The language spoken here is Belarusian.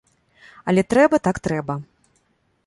Але трэба, так трэба.